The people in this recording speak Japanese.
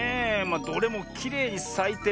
あどれもきれいにさいてるけど。